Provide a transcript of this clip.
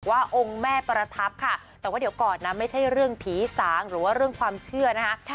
องค์แม่ประทับค่ะแต่ว่าเดี๋ยวก่อนนะไม่ใช่เรื่องผีสางหรือว่าเรื่องความเชื่อนะคะ